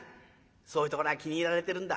そういうところが気に入られてるんだ。